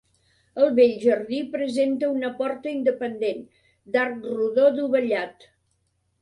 El bell jardí presenta una porta independent, d'arc rodó dovellat.